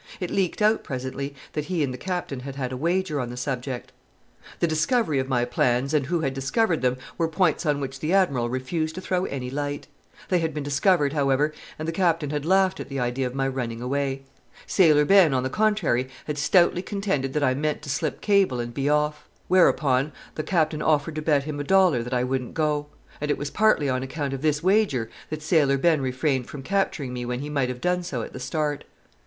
It leaked out presently that he and the Captain had had a wager on the subject. The discovery of my plans and who had discovered them were points on which the Admiral refused to throw any light. They had been discovered, however, and the Captain had laughed at the idea of my running away. Sailor Ben, on the contrary, had stoutly contended that I meant to slip cable and be off. Whereupon the Captain offered to bet him a dollar that I wouldn't go. And it was partly on account of this wager that Sailor Ben refrained from capturing me when he might have done so at the start.